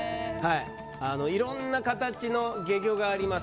いろんな形の懸魚があります。